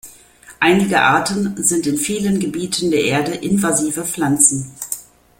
Einige Arten sind in vielen Gebieten der Erde Invasive Pflanzen.